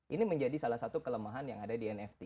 ini menjadi salah satu kelemahan yang ada di nft